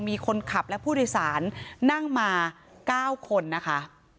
มีคนขับและผู้โดยสารนั่งมา๙คนนะคะ